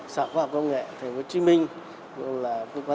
xã hội khoa học công nghệ tp hcm